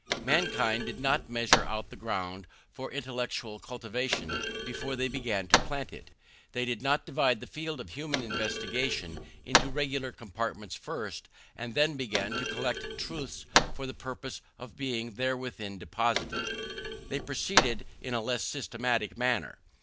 Mankind did not measure out the ground for intellectual cultivation before they began to plant it; they did not divide the field of human investigation into regular compartments first, and then begin to collect truths for the purpose of being therein deposited; they proceeded in a less systematic manner.